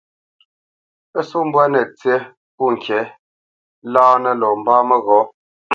Pə́ só mbwâ nə̂ tsí pô ŋkǐ láánə lɔ mbá məghɔ̌.